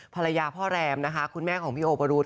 ภรรยาพระรามคุณแม่ของพี่โอบรุท